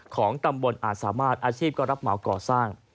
ของตำบลอาจสามารถอาชีพก็รับเหมาก่อสร้าง